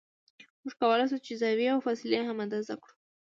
موږ کولای شو چې زاویې او فاصلې هم اندازه کړو